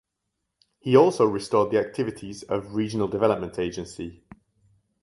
He also restored the activities of Regional Development Agency.